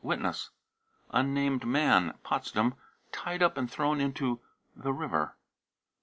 (Witness.) unnamed man, Potsdam, tied up and thrown into the river.